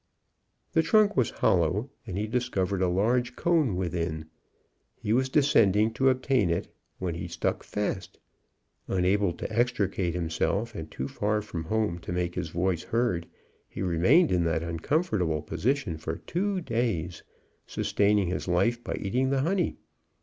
The trunk was hollow, and he discovered a large cone within. He was descending to obtain it, when he stuck fast. Unable to extricate himself, and too far from home to make his voice heard, he remained in that uncomfortable position for two days, sustaining his life by eating the honey.